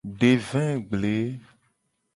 De vegble.